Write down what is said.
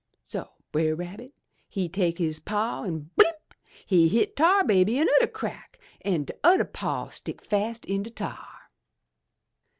So Brer Rabbit he take his paw an' blimp! he hit Tar Baby anudder crack an' t'udder paw stick fast in de tar!